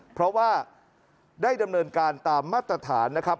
เพราะว่าได้ดำเนินการตามมาตรฐานนะครับ